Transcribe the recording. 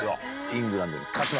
イングランドに。